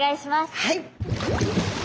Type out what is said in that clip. はい。